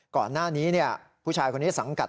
ก่อนหน้านี้ผู้ชายคนนี้สังกัด